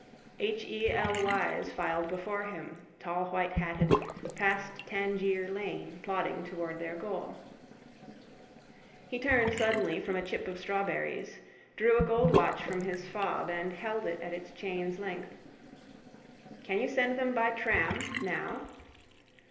H. E. L. Y.'S filed before him, tallwhitehatted, past Tangier lane, plodding towards their goal. He turned suddenly from a chip of strawberries, drew a gold watch from his fob and held it at its chain's length. —Can you send them by tram? Now?